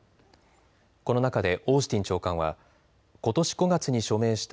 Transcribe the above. この中でオースティン長官はことし５月に署名した